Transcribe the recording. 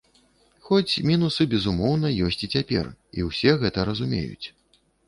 Хоць мінусы, безумоўна, ёсць і цяпер, і ўсе гэта разумеюць.